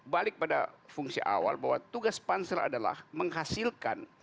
balik pada fungsi awal bahwa tugas pansel adalah menghasilkan